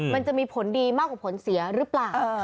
มันจะมีผลดีมากกว่าผลเสียหรือเปล่า